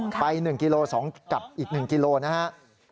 ไป๑กิโลเมตร๒กิโลเมตรกลับอีก๑กิโลเมตรนะครับ